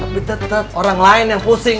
tapi tetap orang lain yang pusing